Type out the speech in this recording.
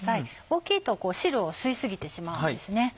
大きいと汁を吸い過ぎてしまうんですね。